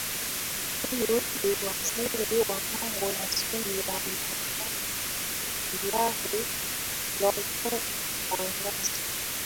huyu hi waziri wa mambo ya nchi ya marekani bi hillary clinton akitangaza